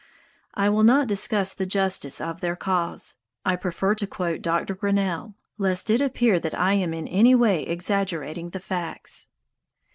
I will not discuss the justice of their cause: I prefer to quote Doctor Grinnell, lest it appear that I am in any way exaggerating the facts.